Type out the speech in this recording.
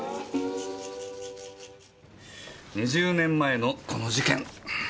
２０年前のこの事件。